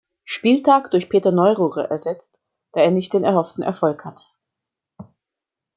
Spieltag durch Peter Neururer ersetzt, da er nicht den erhofften Erfolg hatte.